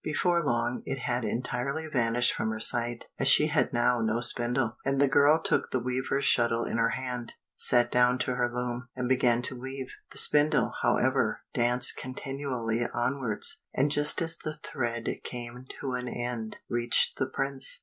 Before long, it had entirely vanished from her sight. As she had now no spindle, the girl took the weaver's shuttle in her hand, sat down to her loom, and began to weave. The spindle, however, danced continually onwards, and just as the thread came to an end, reached the prince.